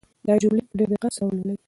دا جملې په ډېر دقت سره ولولئ.